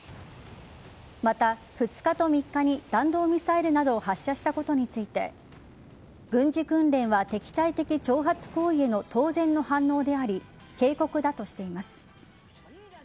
また、２日と３日に弾道ミサイルなどを発射したことについて軍事訓練は敵対的挑発行為への当然の反応であり警告だとしています。